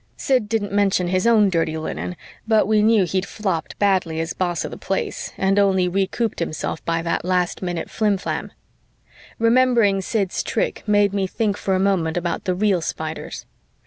Sid didn't mention his own dirty linen, but he knew we knew he'd flopped badly as boss of the Place and only recouped himself by that last minute flimflam. Remembering Sid's trick made me think for a moment about the real Spiders.